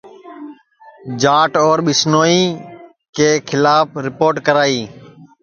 جاٹ اور ٻسنوئیں کے کھلاپ رِپوٹ کرائی